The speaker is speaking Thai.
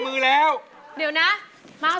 ร้องได้ให้ร้าน